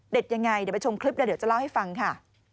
ยังไงเดี๋ยวไปชมคลิปแล้วเดี๋ยวจะเล่าให้ฟังค่ะ